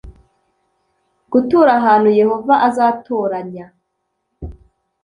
gutura ahantu yehova azatoranya